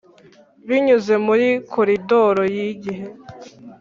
binyuze muri koridoro yigihe,